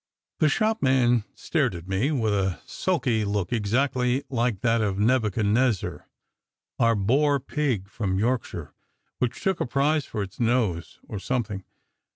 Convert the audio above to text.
The shopman stared at me with a sulky look exactly like that of Nebuchadnezzar, our boar pig from Yorkshire, which took a prize for its nose or something.